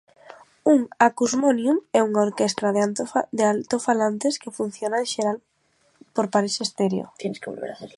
Un acúsmonium é unha orquestra de altofalantes que funciona en xeral por pares estéreo.